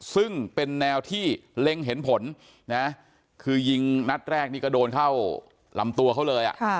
ซึ่งเป็นแนวที่เล็งเห็นผลนะคือยิงนัดแรกนี่ก็โดนเข้าลำตัวเขาเลย